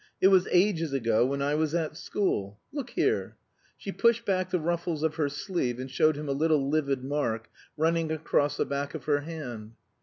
It was ages ago, when I was at school. Look here." She pushed back the ruffles of her sleeve and showed him a little livid mark running across the back of her hand.